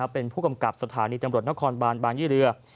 เป็นผู้กำกับสถานีตำรวจนครบานบางยี่เรือ